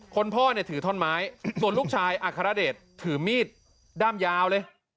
พ่อเนี่ยถือท่อนไม้ส่วนลูกชายอัครเดชถือมีดด้ามยาวเลย